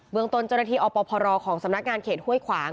ตนเจ้าหน้าที่อพรของสำนักงานเขตห้วยขวาง